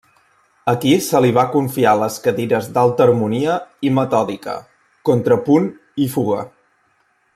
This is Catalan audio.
Aquí se li va confiar les cadires d'Alta Harmonia i Metòdica, Contrapunt i Fuga.